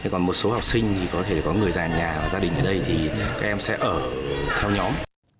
còn một số học sinh thì có thể có người già nhà hoặc gia đình ở đây thì các em sẽ ở theo nhóm